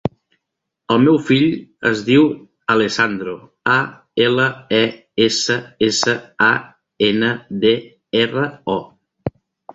El meu fill es diu Alessandro: a, ela, e, essa, essa, a, ena, de, erra, o.